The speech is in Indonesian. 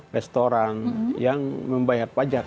restoran yang membayar pajak